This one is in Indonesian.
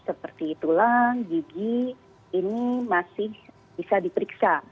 seperti tulang gigi ini masih bisa diperiksa